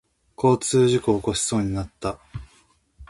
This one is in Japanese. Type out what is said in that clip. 交通事故を起こしそうになった。